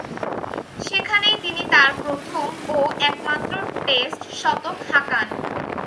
সেখানেই তিনি তার প্রথম ও একমাত্র টেস্ট শতক হাঁকান।